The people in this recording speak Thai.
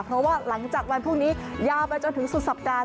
เพราะว่าหลังจากวันพรุ่งนี้ยาวไปจนถึงสุดสัปดาห